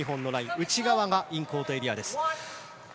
内側がインコートエリアです。